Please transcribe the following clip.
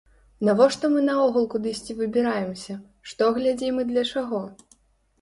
Навошта мы наогул кудысьці выбіраемся, што глядзім і для чаго?